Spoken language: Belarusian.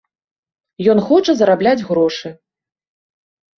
Ён хоча зарабляць грошы.